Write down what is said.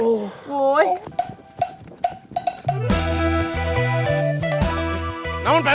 เฮ้ยเฮ้ยเฮ้ยเฮ้ย